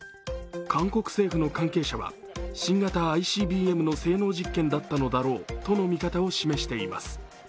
韓国政府の関係者は新型ＩＣＢＭの性能実験だったのだろうとの見方を示しています。